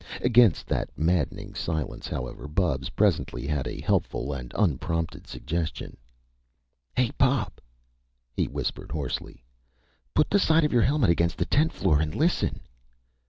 Against that maddening silence, however, Bubs presently had a helpful and unprompted suggestion: "Hey, Pop!" he whispered hoarsely. "Put the side of your helmet against the tent floor, and listen!"